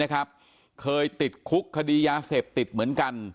เคยติดคุกคดียาเสพติดเหมือนกัน